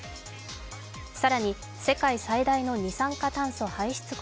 更に世界最大の二酸化炭素排出国